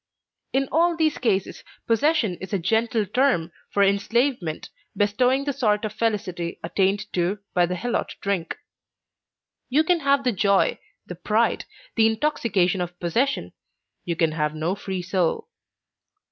In all these cases possession is a gentle term for enslavement, bestowing the sort of felicity attained to by the helot drunk. You can have the joy, the pride, the intoxication of possession; you can have no free soul.